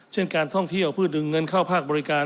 การท่องเที่ยวเพื่อดึงเงินเข้าภาคบริการ